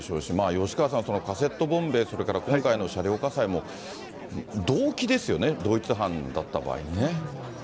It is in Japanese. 吉川さん、そのカセットボンベ、それから今回の車両火災も、動機ですよね、同一犯だった場合にね。